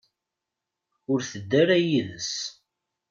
Ur tedda ara yid-s.